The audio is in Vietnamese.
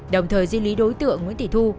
đồng thời di lý đối tượng nguyễn thị thu